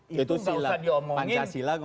itu gak usah diomongin